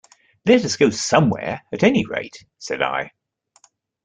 "Let us go somewhere at any rate," said I.